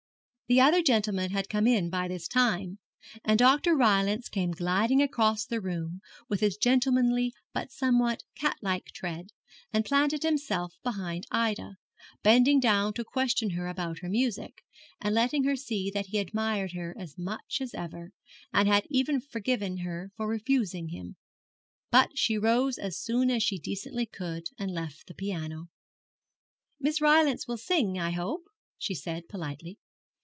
The other gentlemen had come in by this time, and Dr. Rylance came gliding across the room with his gentlemanly but somewhat catlike tread, and planted himself behind Ida, bending down to question her about her music, and letting her see that he admired her as much as ever, and had even forgiven her for refusing him. But she rose as soon as she decently could, and left the piano. 'Miss Rylance will sing, I hope,' she said, politely.